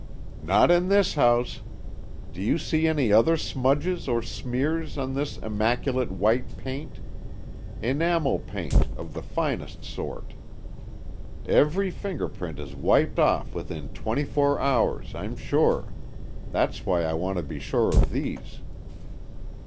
"Not in this house. Do you see any other smudges or smears on this immaculate white paint? Enamel paint, of the finest sort. Every fingerprint is wiped off within twenty four hours, I'm sure. That's why I want to be sure of these."